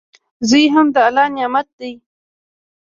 زوی هم د الله نعمت دئ.